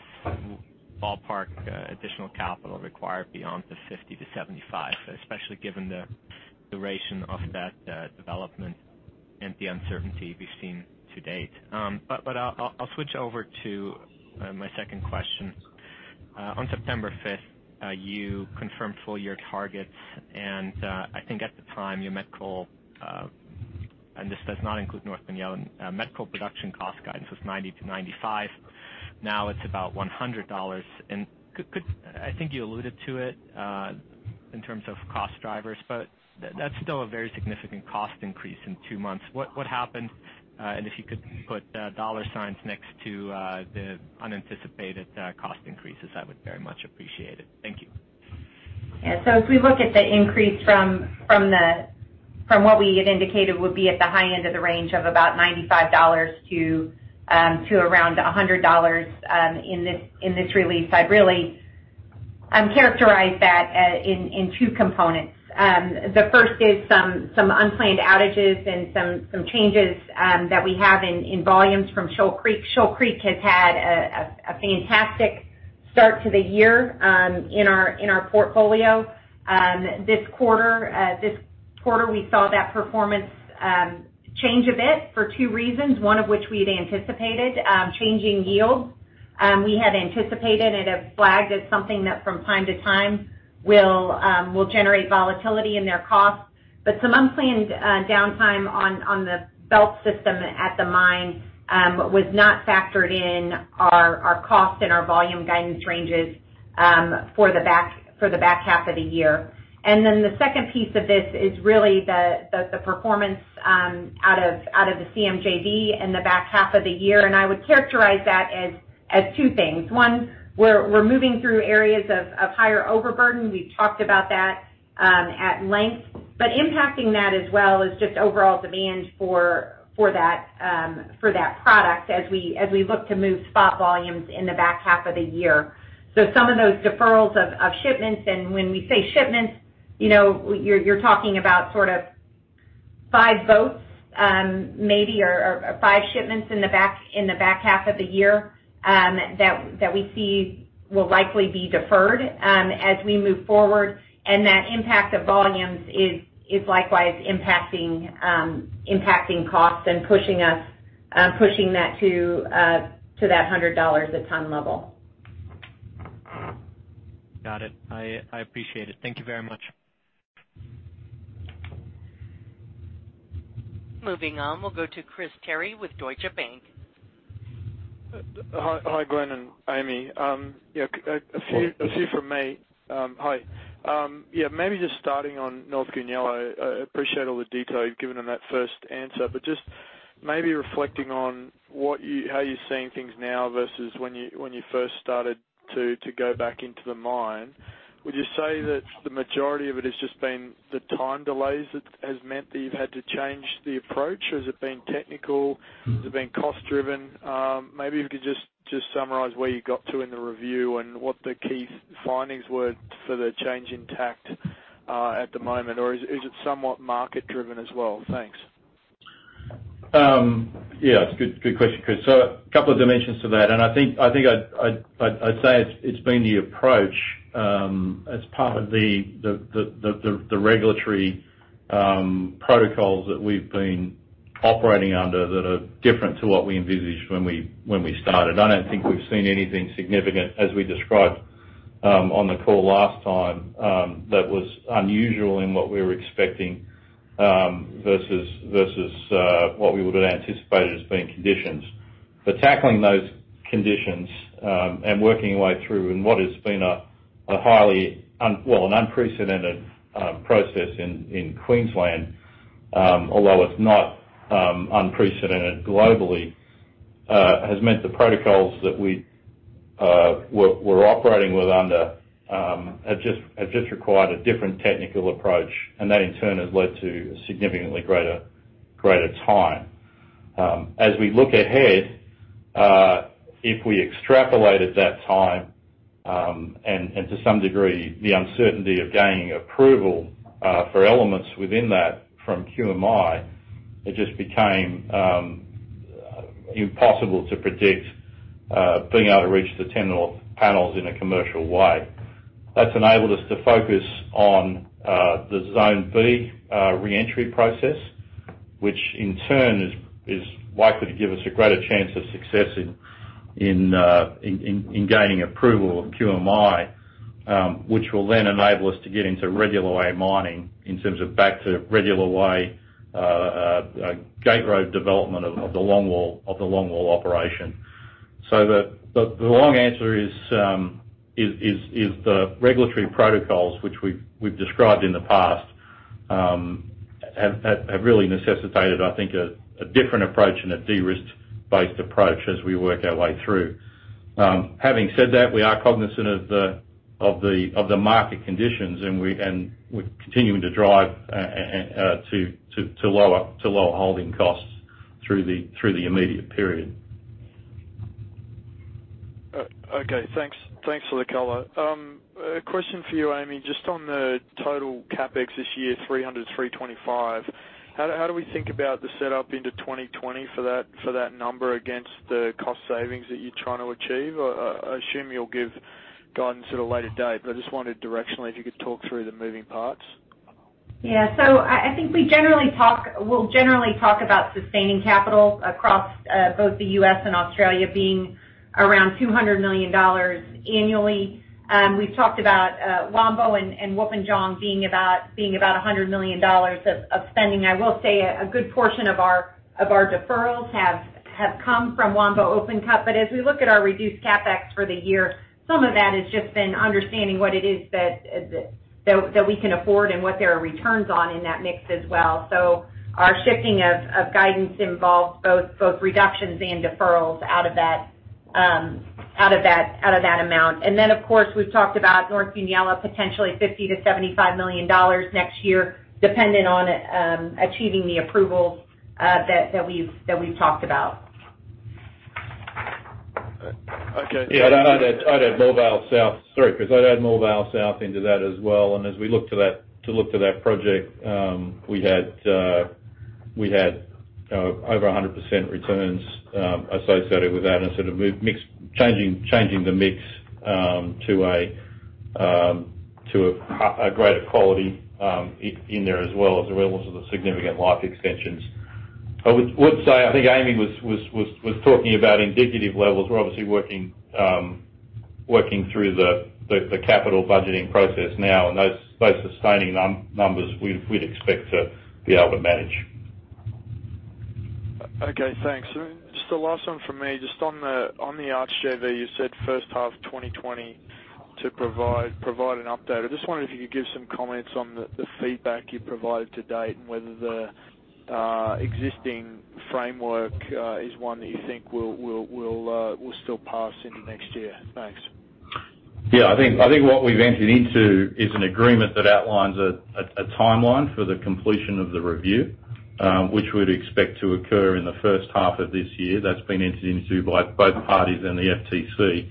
ballpark additional capital required beyond the $50 million-$75 million, especially given the duration of that development and the uncertainty we've seen to date. I'll switch over to my second question. On September 5th, you confirmed full year targets, and I think at the time, your met coal, and this does not include North Goonyella, met coal production cost guidance was $90-$95. Now it's about $100. I think you alluded to it, in terms of cost drivers, but that's still a very significant cost increase in two months. What happened? If you could put dollar signs next to the unanticipated cost increases, I would very much appreciate it. Thank you. If we look at the increase from what we had indicated would be at the high end of the range of about $95 to around $100 in this release, I'd really characterize that in two components. The first is some unplanned outages and some changes that we have in volumes from Shoal Creek. Shoal Creek has had a fantastic start to the year in our portfolio. This quarter, we saw that performance change a bit for two reasons, one of which we'd anticipated, changing yields. We had anticipated and have flagged as something that from time to time will generate volatility in their costs, but some unplanned downtime on the belt system at the mine was not factored in our cost and our volume guidance ranges for the back half of the year. The second piece of this is really the performance out of the CMJV in the back half of the year, and I would characterize that as two things. One, we're moving through areas of higher overburden. We've talked about that at length, but impacting that as well is just overall demand for that product as we look to move spot volumes in the back half of the year. Some of those deferrals of shipments, and when we say shipments, you're talking about five boats, maybe, or five shipments in the back half of the year, that we see will likely be deferred as we move forward. That impact of volumes is likewise impacting costs and pushing that to that $100 a ton level. Got it. I appreciate it. Thank you very much. Moving on, we'll go to Chris Terry with Deutsche Bank. Hi, Glenn and Amy. A few from me. Hi. Maybe just starting on North Goonyella. I appreciate all the detail you've given on that first answer, but just maybe reflecting on how you're seeing things now versus when you first started to go back into the mine. Would you say that the majority of it has just been the time delays that has meant that you've had to change the approach? Has it been technical? Has it been cost-driven? Maybe if you could just summarize where you got to in the review and what the key findings were for the change in tact at the moment, or is it somewhat market-driven as well? Thanks. Yeah, it's a good question, Chris. A couple of dimensions to that, and I think I'd say it's been the approach as part of the regulatory protocols that we've been operating under that are different to what we envisaged when we started. I don't think we've seen anything significant as we described on the call last time that was unusual in what we were expecting versus what we would have anticipated as being conditions. Tackling those conditions, and working our way through in what has been an unprecedented process in Queensland, although it's not unprecedented globally, has meant the protocols that we're operating with under have just required a different technical approach, and that, in turn, has led to a significantly greater time. As we look ahead, if we extrapolated that time, and to some degree, the uncertainty of gaining approval for elements within that from QMRS, it just became impossible to predict being able to reach the tender panels in a commercial way. That's enabled us to focus on the Zone B re-entry process, which in turn is likely to give us a greater chance of success in gaining approval of QMRS, which will then enable us to get into regular way mining in terms of back to regular way gate road development of the longwall operation. The long answer is the regulatory protocols which we've described in the past have really necessitated, I think, a different approach and a de-risk based approach as we work our way through. Having said that, we are cognizant of the market conditions, and we're continuing to drive to lower holding costs through the immediate period. Okay, thanks. Thanks for the color. A question for you, Amy, just on the total CapEx this year, $300 million-$325 million. How do we think about the setup into 2020 for that number against the cost savings that you're trying to achieve? I assume you'll give guidance at a later date, I just wondered directionally if you could talk through the moving parts. Yeah. I think we'll generally talk about sustaining capital across both the U.S. and Australia being around $200 million annually. We've talked about Wambo and Wilpinjong being about $100 million of spending. I will say a good portion of our deferrals have come from Wambo open cut. As we look at our reduced CapEx for the year, some of that has just been understanding what it is that we can afford and what there are returns on in that mix as well. Our shifting of guidance involves both reductions and deferrals out of that amount. Of course, we've talked about North Goonyella, potentially $50 million-$75 million next year, depending on achieving the approvals that we've talked about. Okay. Yeah, I'd add Moorvale South. Sorry, Chris. I'd add Moorvale South into that as well. As we look to that project, we had over 100% returns, associated with that and changing the mix to a greater quality in there as well, as well as the significant life extensions. I would say, I think Amy was talking about indicative levels. We're obviously working through the capital budgeting process now, and those sustaining numbers we'd expect to be able to manage. Okay, thanks. Just a last one from me. Just on the Arch JV, you said first half of 2020 to provide an update. I just wonder if you could give some comments on the feedback you provided to date and whether the existing framework is one that you think will still pass into next year. Thanks. I think what we've entered into is an agreement that outlines a timeline for the completion of the review, which we'd expect to occur in the first half of this year. That's been entered into by both parties and the FTC.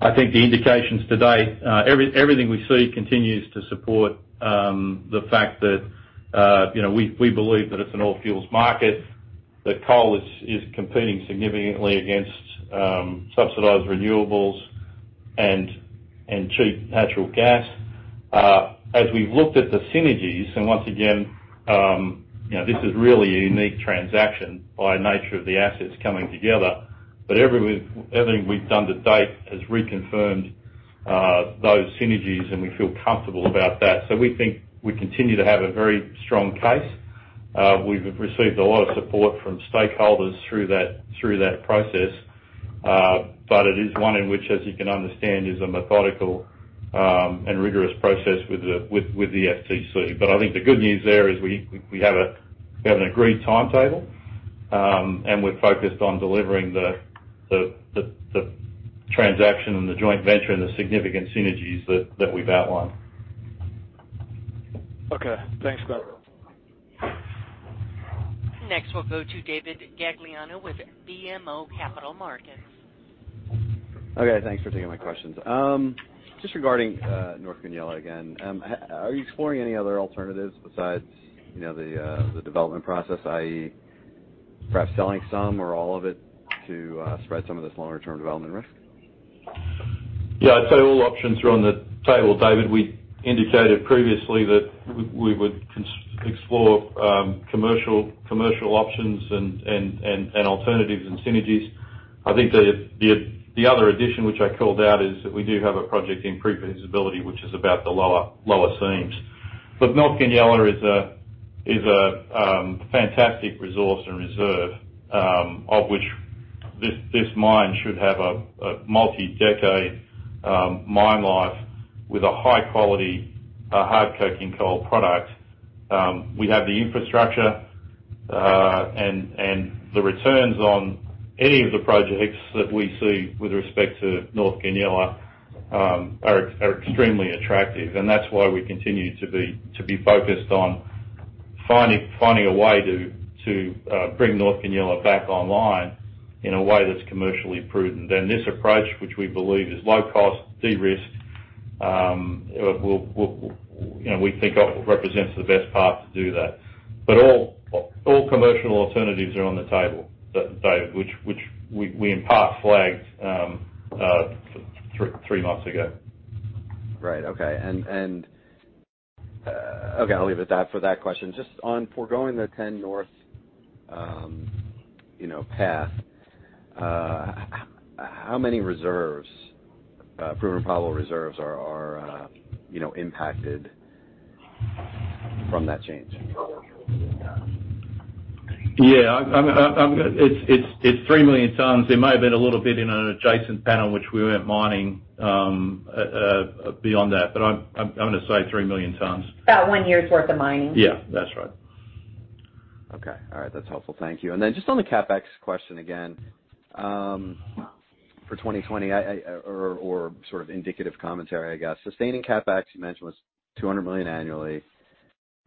I think the indications to date, everything we see continues to support the fact that we believe that it's an all-fuels market, that coal is competing significantly against subsidized renewables and cheap natural gas. As we've looked at the synergies, and once again, this is really a unique transaction by nature of the assets coming together, but everything we've done to date has reconfirmed those synergies, and we feel comfortable about that. We think we continue to have a very strong case. We've received a lot of support from stakeholders through that process, but it is one in which, as you can understand, is a methodical and rigorous process with the FTC. I think the good news there is we have an agreed timetable, and we're focused on delivering the transaction and the joint venture and the significant synergies that we've outlined. Okay. Thanks, Glenn. Next, we'll go to David Gagliano with BMO Capital Markets. Okay. Thanks for taking my questions. Just regarding North Goonyella again, are you exploring any other alternatives besides the development process, i.e., perhaps selling some or all of it to spread some of this longer-term development risk? Yeah. I'd say all options are on the table, David. We indicated previously that we would explore commercial options and alternatives and synergies. I think the other addition which I called out is that we do have a project in pre-feasibility, which is about the lower seams. North Goonyella is a fantastic resource and reserve, of which this mine should have a multi-decade mine life with a high-quality hard coking coal product. We have the infrastructure, and the returns on any of the projects that we see with respect to North Goonyella are extremely attractive, and that's why we continue to be focused on finding a way to bring North Goonyella back online in a way that's commercially prudent. This approach, which we believe is low cost, de-risk, we think represents the best path to do that. All commercial alternatives are on the table, David, which we in part flagged three months ago. Right. Okay. I'll leave it at that for that question. Just on foregoing the 10 North path, how many proven probable reserves are impacted from that change? Yeah. It's 3 million tons. There may have been a little bit in an adjacent panel which we weren't mining beyond that, but I'm going to say 3 million tons. About one year's worth of mining. Yeah, that's right. Okay. All right. That's helpful. Thank you. Just on the CapEx question again, for 2020 or sort of indicative commentary, I guess. Sustaining CapEx, you mentioned, was $200 million annually,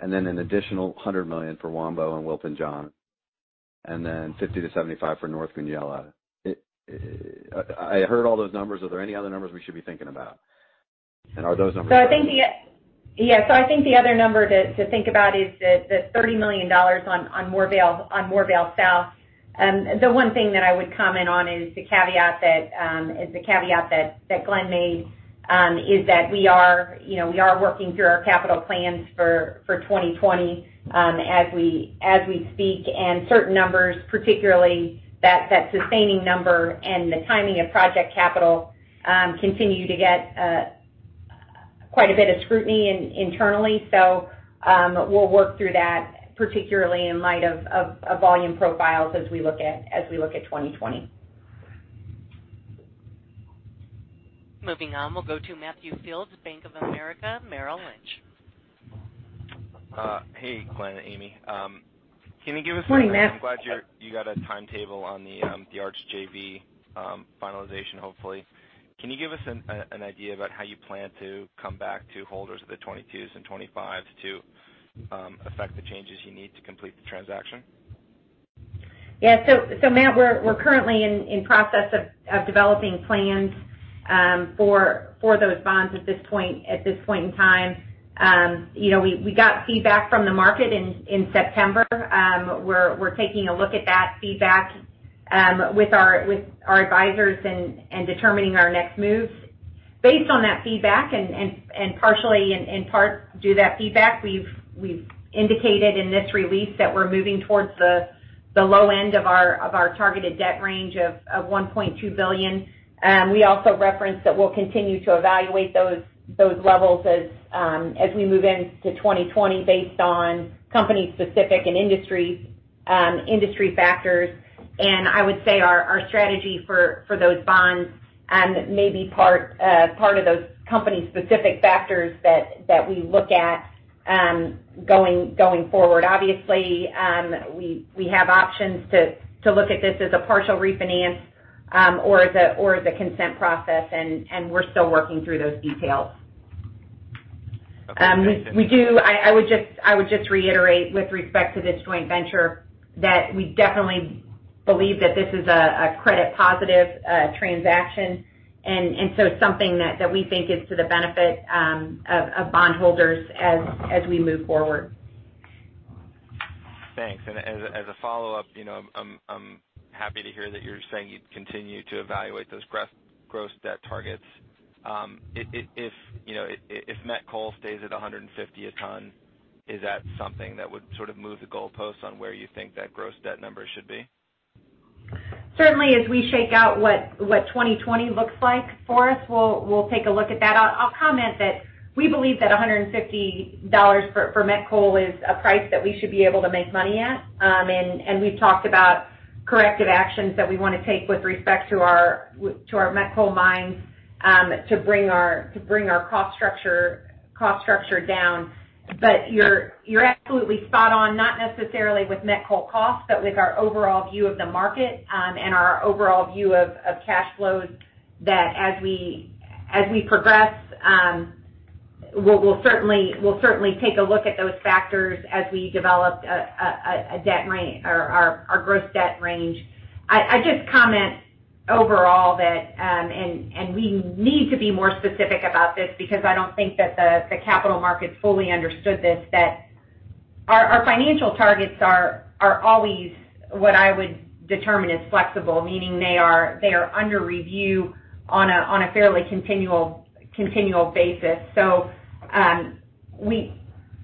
an additional $100 million for Wambo and Wilpinjong, $50 million-$75 million for North Goonyella. I heard all those numbers. Are there any other numbers we should be thinking about? I think the other number to think about is the $30 million on Moorvale South. The one thing that I would comment on is the caveat that Glenn made, is that we are working through our capital plans for 2020 as we speak, and certain numbers, particularly that sustaining number and the timing of project capital, continue to get quite a bit of scrutiny internally. We'll work through that, particularly in light of volume profiles as we look at 2020. Moving on, we'll go to Matthew Fields, Bank of America Merrill Lynch. Hey, Glenn and Amy. Morning, Matt. I'm glad you got a timetable on the Arch JV finalization, hopefully. Can you give us an idea about how you plan to come back to holders of the 2022s and 2025s to effect the changes you need to complete the transaction? Yeah. Matt, we're currently in process of developing plans for those bonds at this point in time. We got feedback from the market in September. We're taking a look at that feedback with our advisors and determining our next moves based on that feedback. Partially, in part due to that feedback, we've indicated in this release that we're moving towards the low end of our targeted debt range of $1.2 billion. We also referenced that we'll continue to evaluate those levels as we move into 2020 based on company specific and industry factors. I would say our strategy for those bonds may be part of those company specific factors that we look at going forward. Obviously, we have options to look at this as a partial refinance or as a consent process, and we're still working through those details. Okay. I would just reiterate with respect to this joint venture that we definitely believe that this is a credit positive transaction, and so something that we think is to the benefit of bondholders as we move forward. Thanks. As a follow-up, I'm happy to hear that you're saying you'd continue to evaluate those gross debt targets. If met coal stays at $150 a ton, is that something that would sort of move the goalpost on where you think that gross debt number should be? Certainly, as we shake out what 2020 looks like for us, we'll take a look at that. I'll comment that we believe that $150 for met coal is a price that we should be able to make money at. We've talked about corrective actions that we want to take with respect to our met coal mines to bring our cost structure down. You're absolutely spot on, not necessarily with met coal cost, but with our overall view of the market and our overall view of cash flows, that as we progress, we'll certainly take a look at those factors as we develop our gross debt range. I just comment overall that, and we need to be more specific about this because I don't think that the capital market fully understood this, that our financial targets are always what I would determine as flexible, meaning they are under review on a fairly continual basis.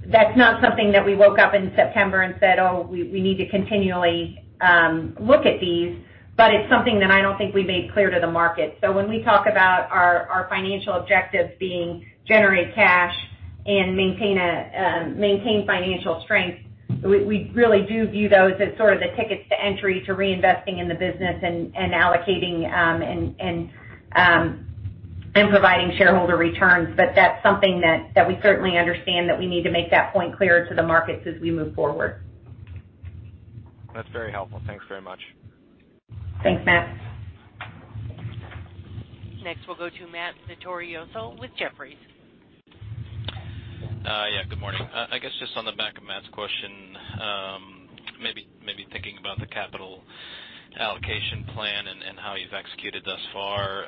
That's not something that we woke up in September and said, "Oh, we need to continually look at these," but it's something that I don't think we made clear to the market. When we talk about our financial objectives being generate cash and maintain financial strength, we really do view those as sort of the tickets to entry to reinvesting in the business and allocating and providing shareholder returns. That's something that we certainly understand that we need to make that point clearer to the markets as we move forward. That's very helpful. Thanks very much. Thanks, Matt. Next, we'll go to Matt Vittorioso with Jefferies. Good morning. I guess just on the back of Matt's question, maybe thinking about the capital allocation plan and how you've executed thus far.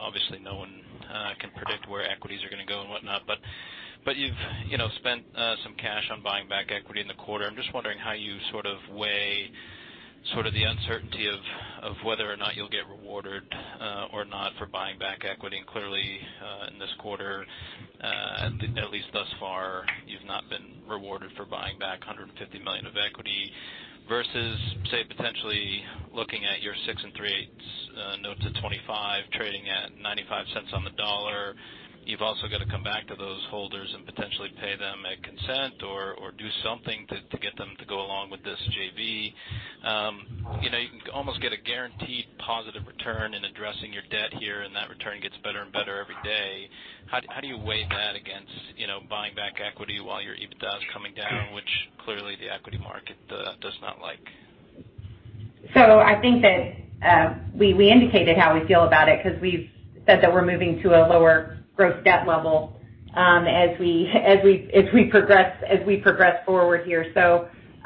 Obviously, no one can predict where equities are going to go and whatnot, but you've spent some cash on buying back equity in the quarter. I'm just wondering how you sort of weigh the uncertainty of whether or not you'll get rewarded or not for buying back equity. Clearly, in this quarter, at least thus far, you've not been rewarded for buying back $150 million of equity versus, say, potentially looking at your 6 3/8 note to 2025 trading at $0.95 on the dollar. You've also got to come back to those holders and potentially pay them a consent or do something to get them to go along with this JV. You can almost get a guaranteed positive return in addressing your debt here, and that return gets better and better every day. How do you weigh that against buying back equity while your EBITDA is coming down, which clearly the equity market does not like? I think that we indicated how we feel about it because we've said that we're moving to a lower gross debt level as we progress forward here.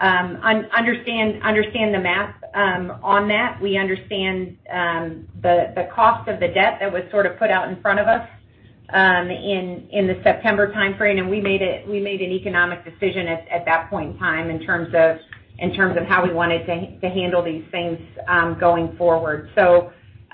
Understand the math on that. We understand the cost of the debt that was sort of put out in front of us in the September timeframe, and we made an economic decision at that point in time in terms of how we wanted to handle these things going forward.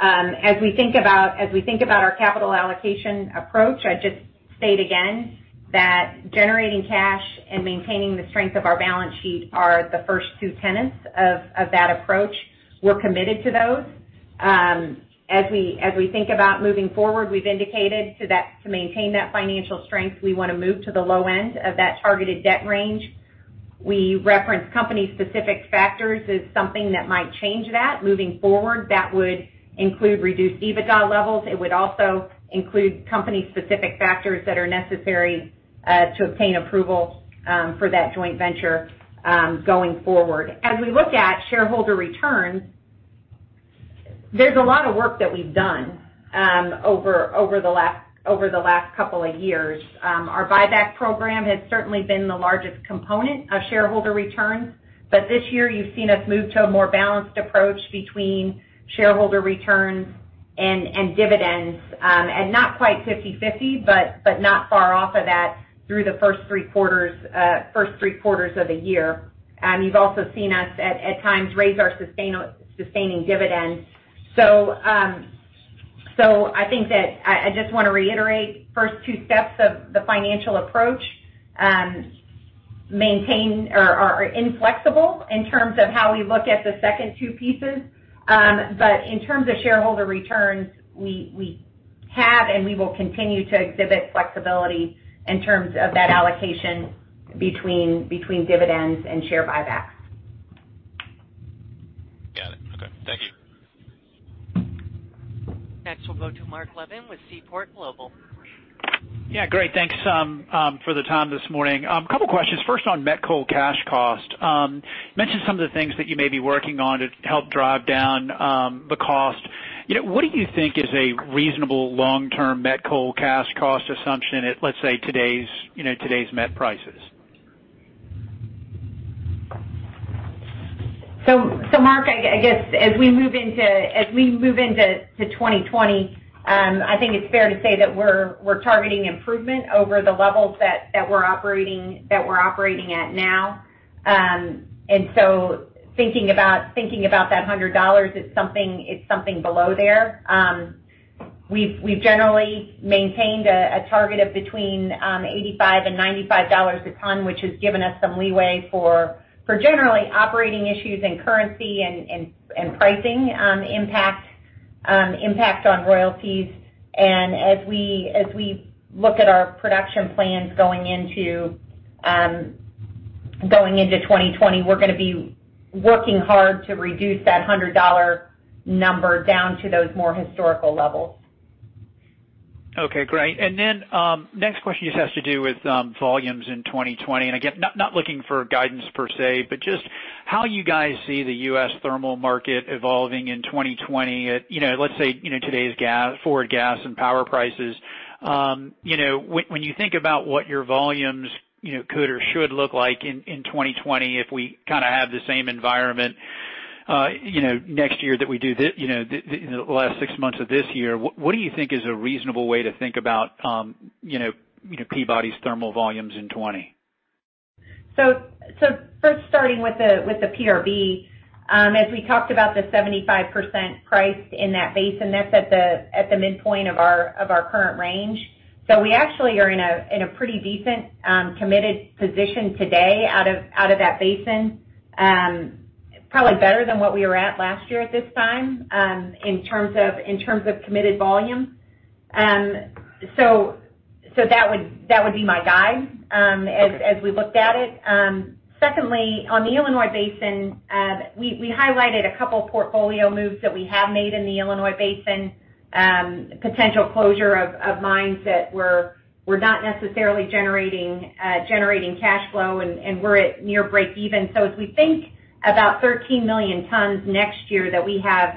As we think about our capital allocation approach, I'd just state again that generating cash and maintaining the strength of our balance sheet are the first two tenets of that approach. We're committed to those. As we think about moving forward, we've indicated to maintain that financial strength, we want to move to the low end of that targeted debt range. We reference company-specific factors as something that might change that moving forward. That would include reduced EBITDA levels. It would also include company-specific factors that are necessary to obtain approval for that joint venture going forward. As we look at shareholder returns, there's a lot of work that we've done over the last couple of years. Our buyback program has certainly been the largest component of shareholder returns, but this year you've seen us move to a more balanced approach between shareholder returns and dividends. Not quite 50/50, but not far off of that through the first three quarters of the year. You've also seen us at times raise our sustaining dividends. I think that I just want to reiterate, first two steps of the financial approach are inflexible in terms of how we look at the second two pieces. In terms of shareholder returns, we have and we will continue to exhibit flexibility in terms of that allocation between dividends and share buybacks. Got it. Okay. Thank you. Next, we'll go to Marc Levin with Seaport Global. Yeah, great, thanks for the time this morning. Couple questions. First, on met coal cash cost. You mentioned some of the things that you may be working on to help drive down the cost. What do you think is a reasonable long-term met coal cash cost assumption at, let's say, today's met prices? Mark, I guess as we move into 2020, I think it's fair to say that we're targeting improvement over the levels that we're operating at now. Thinking about that $100, it's something below there. We've generally maintained a target of between $85 and $95 a ton, which has given us some leeway for generally operating issues and currency and pricing impact on royalties. As we look at our production plans going into 2020, we're going to be working hard to reduce that $100 number down to those more historical levels. Okay, great. Next question just has to do with volumes in 2020, again, not looking for guidance per se, but just how you guys see the U.S. thermal market evolving in 2020 at, let's say, today's forward gas and power prices. When you think about what your volumes could or should look like in 2020 if we have the same environment next year that we do the last six months of this year, what do you think is a reasonable way to think about Peabody's thermal volumes in 2020? First starting with the PRB. As we talked about the 75% price in that basin, that's at the midpoint of our current range. We actually are in a pretty decent, committed position today out of that basin. Probably better than what we were at last year at this time in terms of committed volume. That would be my guide as we looked at it. Secondly, on the Illinois Basin, we highlighted a couple of portfolio moves that we have made in the Illinois Basin. Potential closure of mines that were not necessarily generating cash flow and were at near breakeven. As we think about 13 million tons next year that we have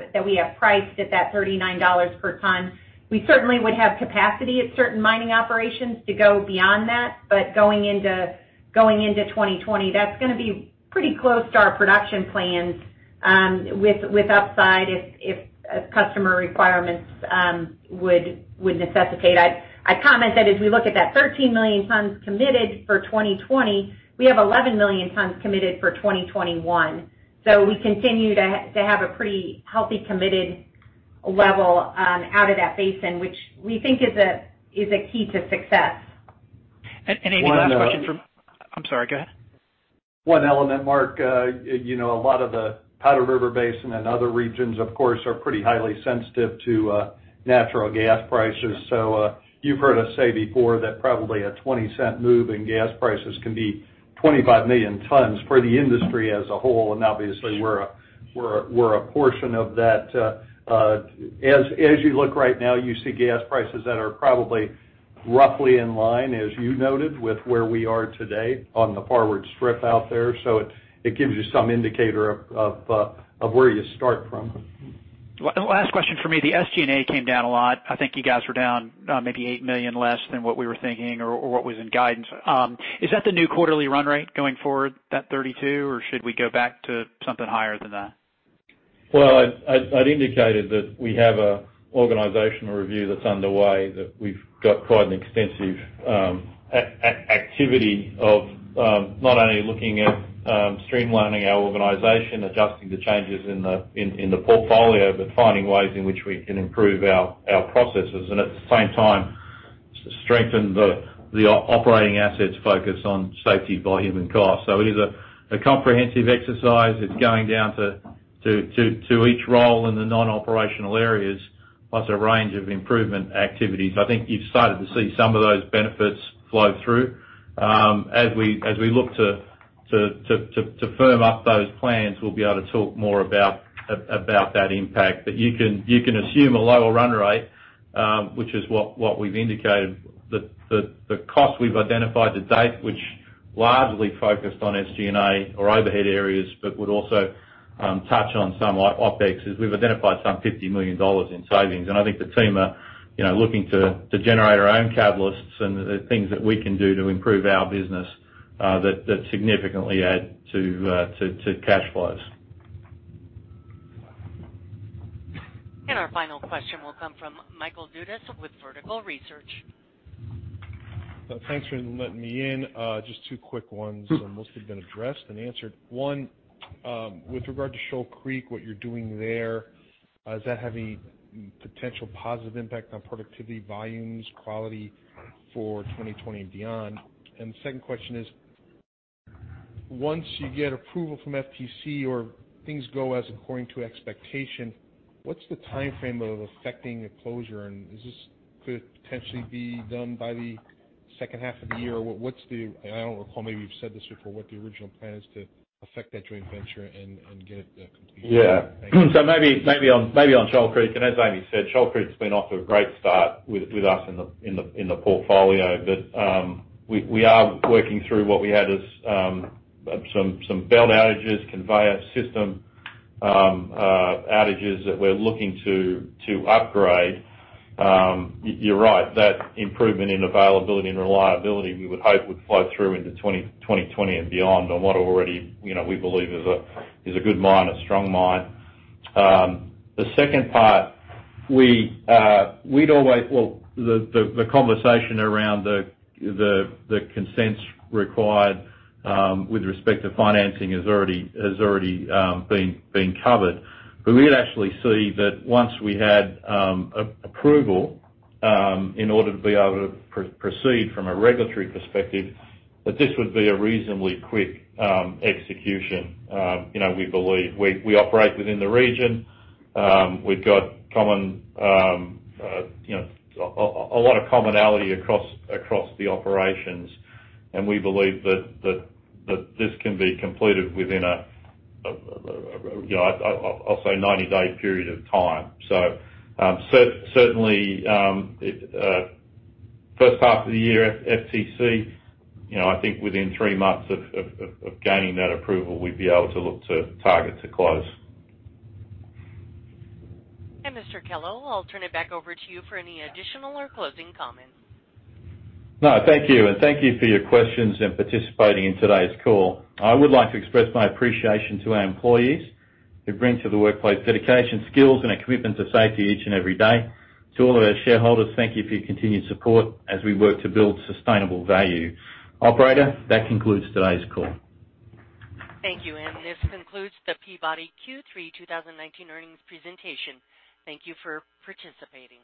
priced at that $39 per ton, we certainly would have capacity at certain mining operations to go beyond that. Going into 2020, that's going to be pretty close to our production plans, with upside if customer requirements would necessitate. I'd comment that as we look at that 13 million tons committed for 2020, we have 11 million tons committed for 2021. We continue to have a pretty healthy committed level out of that basin, which we think is a key to success. Amy, last question from- One other- I'm sorry, go ahead. One element, Mark. A lot of the Powder River Basin and other regions, of course, are pretty highly sensitive to natural gas prices. You've heard us say before that probably a $0.20 move in gas prices can be 25 million tons for the industry as a whole, and obviously we're a portion of that. As you look right now, you see gas prices that are probably roughly in line, as you noted, with where we are today on the forward strip out there. It gives you some indicator of where you start from. Last question from me. The SG&A came down a lot. I think you guys were down maybe $8 million less than what we were thinking or what was in guidance. Is that the new quarterly run rate going forward, that $32 million? Should we go back to something higher than that? Well, I'd indicated that we have an organizational review that's underway, that we've got quite an extensive activity of not only looking at streamlining our organization, adjusting to changes in the portfolio, but finding ways in which we can improve our processes. At the same time, strengthen the operating assets focused on safety, volume, and cost. It is a comprehensive exercise. It's going down to each role in the non-operational areas, plus a range of improvement activities. I think you've started to see some of those benefits flow through. As we look to firm up those plans, we'll be able to talk more about that impact. You can assume a lower run rate, which is what we've indicated. The cost we've identified to date, which largely focused on SG&A or overhead areas, but would also touch on some OpEx. We've identified some $50 million in savings, and I think the team are looking to generate our own catalysts and the things that we can do to improve our business, that significantly add to cash flows. Our final question will come from Michael Dudas with Vertical Research. Thanks for letting me in. Just two quick ones. Most have been addressed and answered. One, with regard to Shoal Creek, what you're doing there, does that have any potential positive impact on productivity, volumes, quality for 2020 and beyond? The second question is, once you get approval from FTC or things go as according to expectation, what's the timeframe of effecting a closure, and could it potentially be done by the second half of the year? What's the, and I don't recall, maybe you've said this before, what the original plan is to affect that joint venture and get it completed? Maybe on Shoal Creek, and as Amy said, Shoal Creek's been off to a great start with us in the portfolio. We are working through what we had as some belt outages, conveyor system outages that we're looking to upgrade. You're right, that improvement in availability and reliability, we would hope would flow through into 2020 and beyond on what already we believe is a good mine, a strong mine. The second part. Well, the conversation around the consents required with respect to financing has already been covered. We'd actually see that once we had approval, in order to be able to proceed from a regulatory perspective, that this would be a reasonably quick execution. We operate within the region. We've got a lot of commonality across the operations, and we believe that this can be completed within a, I'll say 90-day period of time. Certainly, first half of the year FTC, I think within three months of gaining that approval, we'd be able to look to target to close. Mr. Kellow, I'll turn it back over to you for any additional or closing comments. No, thank you. Thank you for your questions and participating in today's call. I would like to express my appreciation to our employees who bring to the workplace dedication, skills, and a commitment to safety each and every day. To all of our shareholders, thank you for your continued support as we work to build sustainable value. Operator, that concludes today's call. Thank you. This concludes the Peabody Q3 2019 earnings presentation. Thank you for participating.